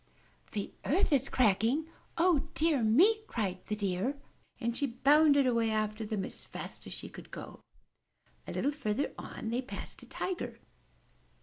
'The earth is cracking? O dear me!" cried the Deer, and she bounded away after them as fast as she could go. A little farther on, they passed a Tiger.